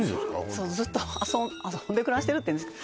そうずっと遊んで暮らしてるっていうんですか